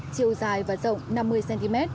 chiều dài và rộng năm mươi cm